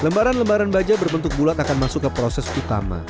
lembaran lembaran baja berbentuk bulat akan masuk ke proses utama